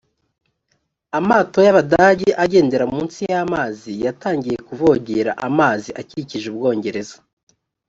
amato y abadage agendera munsi y amazi yatangiye kuvogera amazi akikije u bwongereza